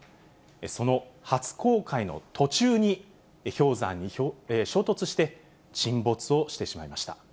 その初航海の途中に、氷山に衝突して、沈没をしてしまいました。